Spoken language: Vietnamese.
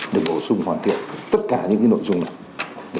được bổ sung hoàn thiện tất cả những nội dung này